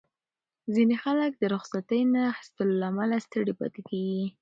ځینې خلک د رخصتۍ نه اخیستو له امله ستړي پاتې کېږي.